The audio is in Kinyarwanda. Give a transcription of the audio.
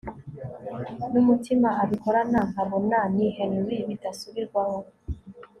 numutima abikorana nkabona ni Henry bidasubirwaho